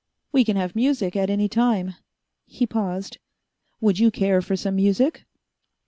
We can have music at any time " He paused. "Would you care for some music?"